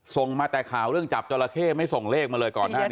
ส่งมาแต่ข่าวเรื่องจับจราเข้ไม่ส่งเลขมาเลยก่อนหน้านี้